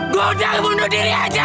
gue mau bunuh diri aja